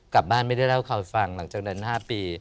กลับบ้านไม่ได้เล่าให้เขาฟังหลังจากนั้น๕ปี